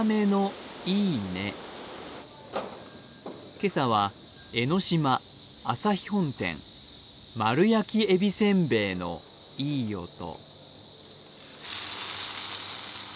今朝は江の島・あさひ本店、丸焼き海老せんべいのいい音。